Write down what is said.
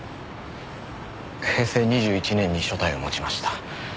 平成２１年に所帯を持ちました。